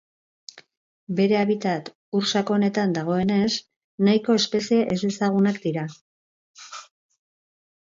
Bere habitat ur sakonetan dagoenez, nahiko espezie ezezagunak dira.